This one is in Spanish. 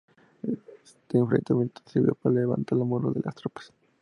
Este enfrentamiento sirvió para levantar la moral de las tropas.